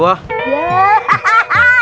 ini mah gampang